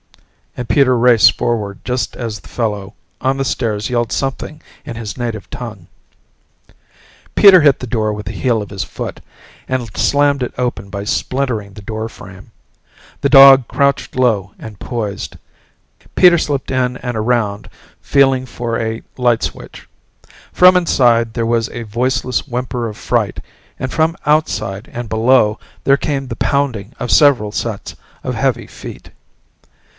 and Peter raced forward just as the fellow on the stairs yelled something in his native tongue. Peter hit the door with the heel of his foot and slammed it open by splintering the doorframe. The dog crouched low and poised; Peter slipped in and around feeling for a light switch. From inside there was a voiceless whimper of fright and from outside and below there came the pounding of several sets of heavy feet.